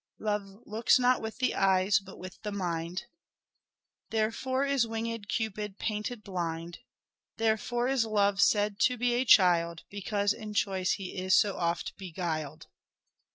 " Love looks not with the eyes but with the mind." "Therefore is winged Cupid painted blind." " Therefore is Love said to be a child Because in choice he is so oft beguiled."